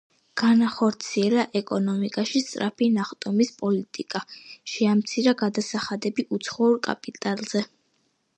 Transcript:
განახორციელა ეკონომიკაში სწრაფი ნახტომის პოლიტიკა, შეამცირა გადასახადები უცხოურ კაპიტალზე.